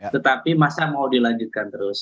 tetapi masa mau dilanjutkan terus